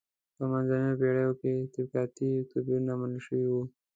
په منځنیو پېړیو کې طبقاتي توپیر منل شوی و.